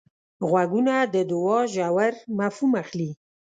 غوږونه د دوعا ژور مفهوم اخلي